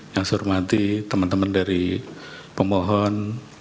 yang saya hormati teman teman dari pemohon